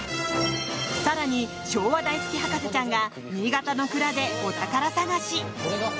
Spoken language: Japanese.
更に昭和大好き博士ちゃんが新潟の蔵でお宝探し。